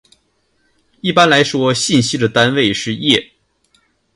一般来说信息的单位是页。